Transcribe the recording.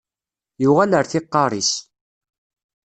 Yuɣal ar tiqqaṛ is.